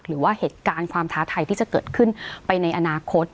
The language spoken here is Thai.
หรือว่าเหตุการณ์ความท้าทายที่จะเกิดขึ้นไปในอนาคต